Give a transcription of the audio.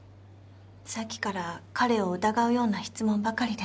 さっきから彼を疑うような質問ばかりで。